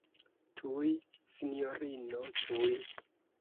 Tuj, sinjorino, tuj.